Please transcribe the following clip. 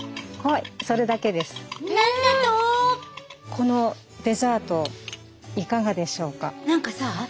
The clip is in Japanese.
このデザートいかがでしょうか？